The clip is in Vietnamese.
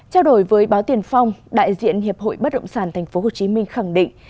trao đổi với báo tiền phong đại diện hiệp hội bất động sản tp hcm khẳng định